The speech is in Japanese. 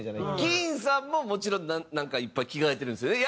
ＫＥＥＮさんももちろんなんかいっぱい着替えてるんですよね？